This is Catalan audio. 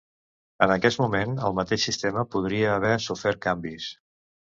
En aquest moment, el mateix sistema podria haver sofert canvis.